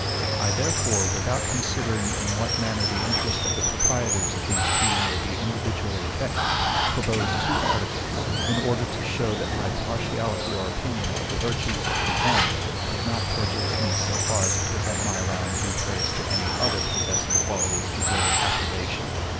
I therefore, without considering in what manner the interest of the proprietors of these teas may be individually affected, propose two articles, in order to shew that my partiality or opinion of the virtues of the one could not prejudice me so far as to prevent my allowing due praise to any other possessing qualities deserving approbation.